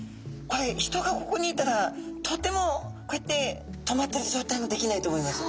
人がここにいたらとてもこうやって止まってる状態もできないと思います。